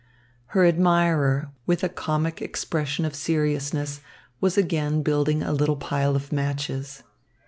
Her admirer, with a comic expression of seriousness, was again building a little pile of matches.